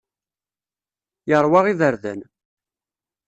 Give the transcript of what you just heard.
Yeṛwa iberdan.